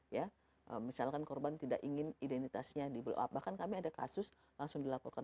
ya misalkan korban tidak ingin identitasnya di belakang bahkan kami ada kasus langsung dilakukan